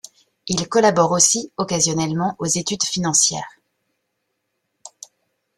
Il collabore aussi occasionnellement aux Études financières.